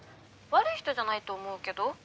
☎悪い人じゃないと思うけど。